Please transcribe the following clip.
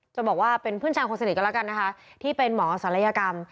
บอกว่าเป็นเพื่อนชายคนสนิทกันแล้วกันนะคะที่เป็นหมอศัลยกรรม